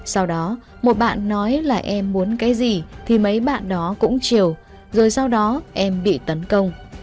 sau đó một bạn nói là em muốn cái gì thì mấy bạn đó cũng chiều rồi sau đó em bị tấn công